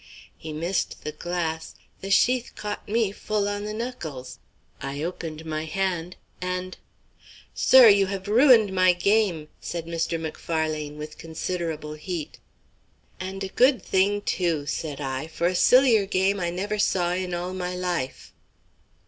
He missed the glass; the sheath caught me full on the knuckles; I opened my hand and "Sir, you have ruined my game," said Mr. Macfarlane, with considerable heat. "And a good thing too," said I, "for a sillier game I never saw in all my life."